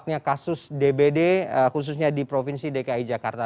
dan untuk menekan pemberian kasus tbd khususnya di provinsi dki jakarta